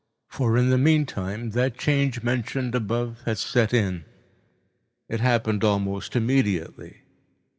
For in the meantime that change mentioned above had set it. It happened almost immediately.